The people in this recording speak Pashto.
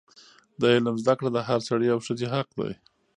د علم زده کړه د هر سړي او ښځې حق دی.